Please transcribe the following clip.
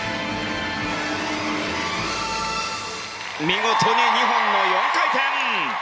見事に２本の４回転！